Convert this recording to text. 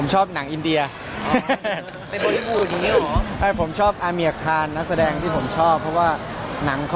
หล่อเนอะแต่คนนี้หล่อมาก